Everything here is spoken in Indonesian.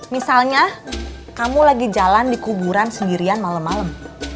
misalnya kamu lagi jalan di kuburan sendirian malem malem